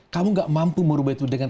kamu gak mampu merubah itu dengan